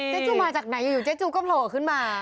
จูมาจากไหนอยู่เจ๊จูก็โผล่ขึ้นมา